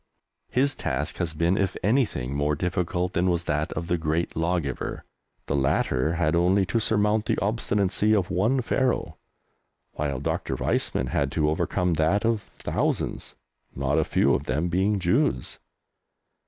His task has been, if anything, more difficult than was that of the great Lawgiver. The latter had only to surmount the obstinacy of one Pharaoh, while Dr. Weizmann had to overcome that of thousands not a few of them being Jews!